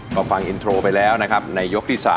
ก็ฟังอินโทรไปแล้วนะครับในยกที่๓